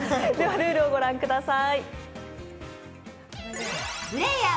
ルールをご覧ください。